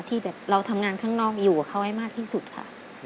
ที่แบบเราทำงานข้างนอกอยู่กับเขาให้มากที่สุดค่ะ